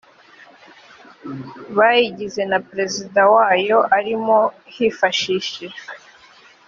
bayigize na perezida wayo arimo hifashishijwe